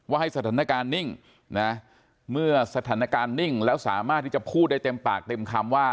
ให้สถานการณ์นิ่งนะเมื่อสถานการณ์นิ่งแล้วสามารถที่จะพูดได้เต็มปากเต็มคำว่า